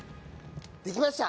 できました。